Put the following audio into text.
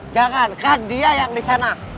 jangan kan dia yang disana